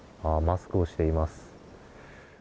マスクをしています。